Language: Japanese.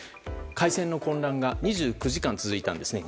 回線の混乱が２９時間続いたんですね。